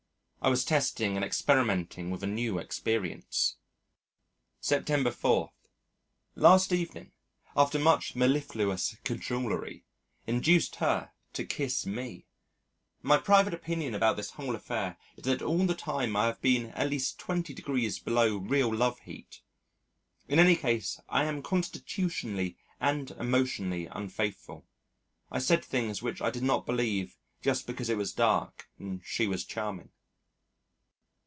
I was testing and experimenting with a new experience. September 4. Last evening, after much mellifluous cajolery, induced her to kiss me. My private opinion about this whole affair is that all the time I have been at least twenty degrees below real love heat. In any case I am constitutionally and emotionally unfaithful. I said things which I did not believe just because it was dark and she was charming.